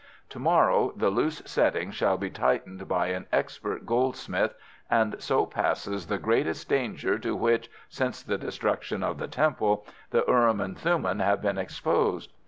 To morrow the loose settings shall be tightened by an expert goldsmith, and so passes the greatest danger to which, since the destruction of the Temple, the urim and thummim have been exposed.